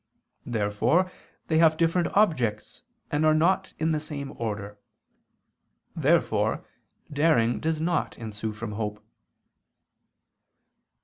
Therefore they have different objects and are not in the same order. Therefore daring does not ensue from hope.